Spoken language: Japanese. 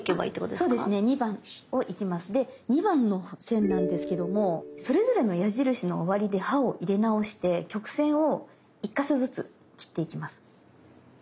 で２番の線なんですけどもそれぞれの矢印の終わりで刃を入れ直して曲線を１か所ずつ切っていきます。